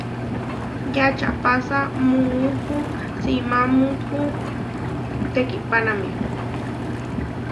Yačahpása muúpu simámupu tekihpánamia.